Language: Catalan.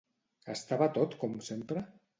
Estava tot com sempre?